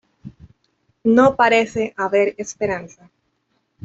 No parece haber esperanza.